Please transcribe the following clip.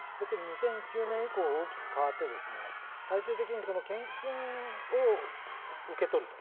２００９年以降、大きく変わって最終的に献金を受け取ると。